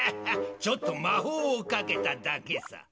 ちょっとまほうをかけただけさ。